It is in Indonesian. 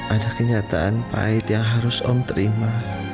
ada kenyataan pahit yang harus om terima